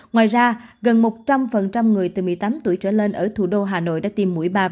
ngoài ra gần một trăm linh người từ một mươi tám tuổi trở lên ở thủ đô hà nội đã tiêm mũi ba